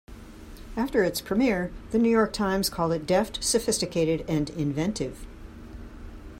After its premiere the New York Times called it deft, sophisticated and inventive.